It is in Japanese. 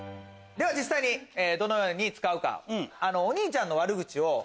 実際にどのように使うか。